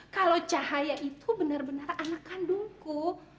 kalau cahaya itu bener bener anak kandungku